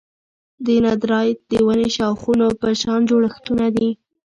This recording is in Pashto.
دندرایت د ونې د شاخونو په شان جوړښتونه دي.